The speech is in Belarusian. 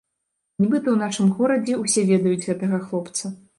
Нібыта, у нашым горадзе ўсе ведаюць гэтага хлопца.